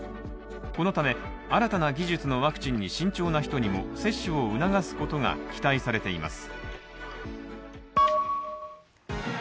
このため、新たな技術のワクチンに慎重な人にも接種を促すことが期待されています。